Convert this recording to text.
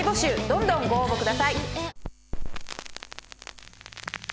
どんどんご応募ください。